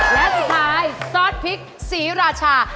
และสุดท้ายซอสพริกศรีราชา